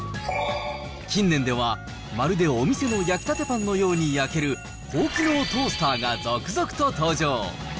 近年では、まるでお店の焼きたてパンのように焼ける高機能トースターが続々と登場。